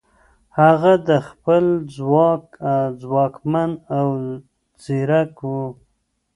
هغه د خپل ځواک ځواکمن او ځیرک و.